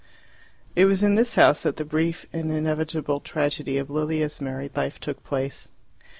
It was in this house that the brief and inevitable tragedy of Lilia's married life took place.